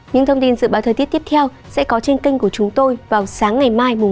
những thông tin dự báo thời tiết tiếp theo sẽ có trên kênh của chúng tôi vào sáng ngày mai